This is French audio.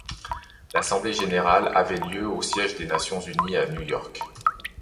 L'assemblée générale avait lieu au Siège des Nations unies à New York.